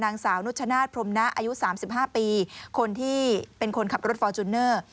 นางสาวนุชชนาธิพรมนะอายุ๓๕ปีคนที่เป็นคนขับรถฟอร์จูเนอร์